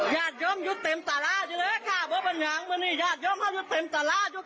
อย่าย่มอยู่เต็มตลาดเลยค่ะบ๊วยบรรยางมันนี่อย่าย่มอยู่เต็มตลาดเลยค่ะ